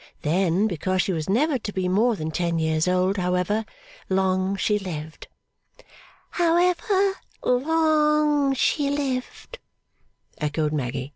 Then, because she was never to be more than ten years old, however long she lived ' 'However long she lived,' echoed Maggy.